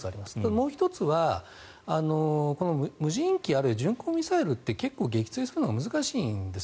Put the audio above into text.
もう１つは無人機あるいは巡航ミサイルって結構撃墜するのが難しいんです。